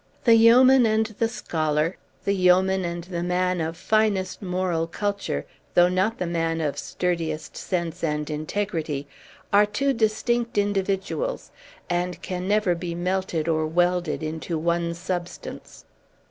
The yeoman and the scholar the yeoman and the man of finest moral culture, though not the man of sturdiest sense and integrity are two distinct individuals, and can never be melted or welded into one substance.